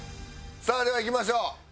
さあではいきましょう。